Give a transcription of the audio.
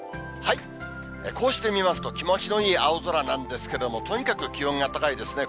こうして見ますと、気持ちのいい青空なんですけれども、とにかく気温が高いですね。